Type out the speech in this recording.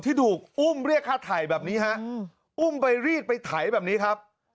ที่ถูกอุ้มเรียกฆ่าไถ่แบบนี้ฮะอุ้มไปรีดไปไถแบบนี้ครับ